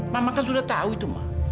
mama kan sudah tahu itu mah